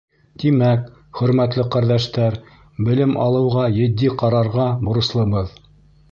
Тимәк, хөрмәтле ҡәрҙәштәр, белем алыуға етди ҡарарға бурыслыбыҙ.